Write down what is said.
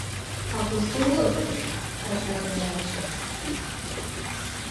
— А кушто улыт... ачат ден аватше?